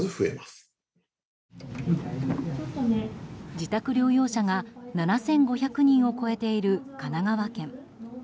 自宅療養者が７５００人を超えている神奈川県。